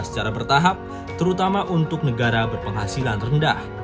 sebagai bentuk koordinasi bangunan dan perguruan perjalanan berbeda